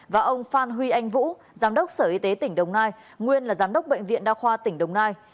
và ông phan huy anh vũ giám đốc sở y tế tỉnh đồng nai nguyên là giám đốc bệnh viện đa khoa tỉnh đồng nai